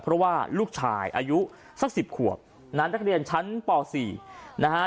เพราะว่าลูกชายอายุสักสิบขวบนางนักเรียนชั้นป่อสี่นะฮะ